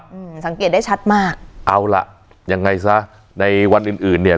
อืมสังเกตได้ชัดมากเอาล่ะยังไงซะในวันอื่นอื่นเนี้ย